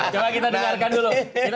coba kita dengarkan dulu